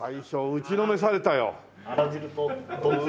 打ちのめされたよ。